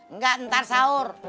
enggak ntar sahur